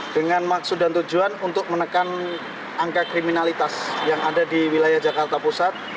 dengan maksud dan tujuan untuk menekan angka kriminalitas yang ada di wilayah jakarta pusat